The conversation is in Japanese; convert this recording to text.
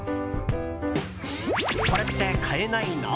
これって買えないの？